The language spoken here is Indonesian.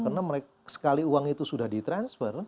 karena sekali uang itu sudah di transfer